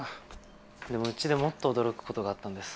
でもうちでもっと驚くことがあったんです。